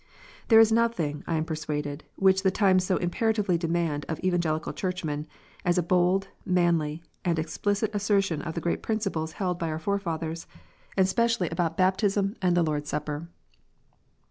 There is nothing, I am persuaded, which the times so imperatively demand of Evan gelical Churchmen, as a bold, manly, and explicit assertion of the great principles held by our forefathers, and specially about 182 KNOTS UNTIED. baptism and the Lord s Supper.